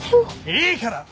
いいから！